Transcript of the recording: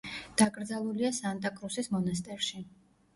დაკრძალულია სანტა-კრუსის მონასტერში.